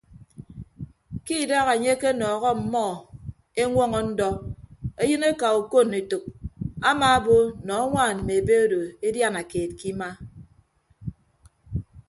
Ke idaha enye akenọọhọ ọmmọ eñwọñọ ndọ eyịneka okon etәk amaabo nọ añwaan mme ebe odo ediana keed ke ima.